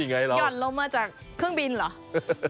นี่ไงแล้วหย่อนลมมาจากเครื่องบินเหรอ